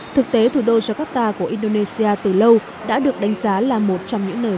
thực tế thủ đô jakarta của indonesia từ lâu đã được đánh giá là một trong những nơi